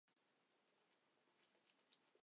唐永徽元年。